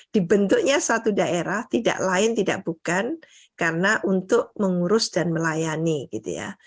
dibentuknya satu daerah tidak lain tidak bukan karena untuk mengurus dan melayani gitu ya